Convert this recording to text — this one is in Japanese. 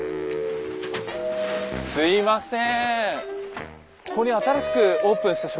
すいません！